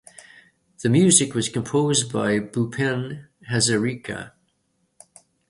The music was composed by Bhupen Hazarika.